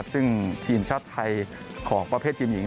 ซึ่งทีมชาติไทยของประเภททีมหญิง